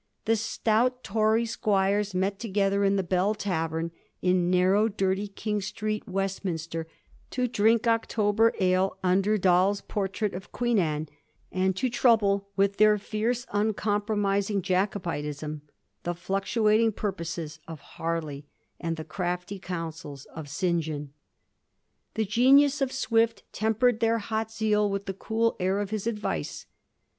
The stout Tory squires met together in the * Bell ' Tavern, in narrow, dirty King Street, Westminster, to drink October ale, under Dahl's portrait of Queen Anne, and to trouble with their fierce, uncompromising Jacobitism the fluctuating purposes of Harley and the crafty counsels of St. John. The genius of Swift tempered their hot zeal with the cool air of his * advice.'